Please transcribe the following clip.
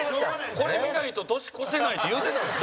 「これ見ないと年越せない」って言うてたでしょ。